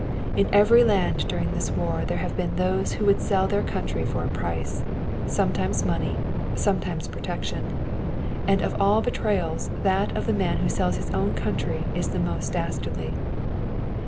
In every land during this war there have been those who would sell their country for a price. Sometimes money. Sometimes protection. And of all betrayals that of the man who sells his own country is the most dastardly.